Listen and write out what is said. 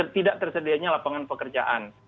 tidak tersedia lapangan pekerjaan